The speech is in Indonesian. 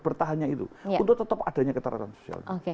bertahannya itu untuk tetap adanya keteraan sosial